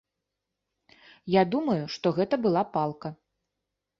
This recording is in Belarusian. Я думаю, што гэта была палка.